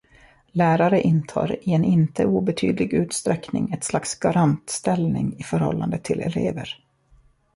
Lärare intar i en inte obetydlig utsträckning ett slags garantställning i förhållande till elever.